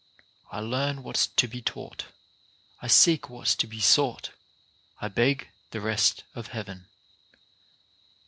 I learn what's to be taught, I seek what's to be sought ; I beg the rest of Heaven.